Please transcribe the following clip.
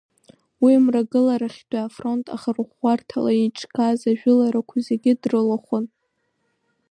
Уи Мрагыларахьтәи афронт ахырӷәӷәарҭала иеиҿкааз ажәыларақәа зегьы дрылахәын…